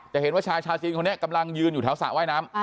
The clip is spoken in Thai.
เห็นว่าชายชาวจีนคนนี้กำลังยืนอยู่แถวสระว่ายน้ำ